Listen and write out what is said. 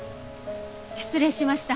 失礼しました。